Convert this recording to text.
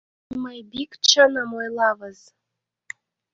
— Мый бик чыным ойлавыз.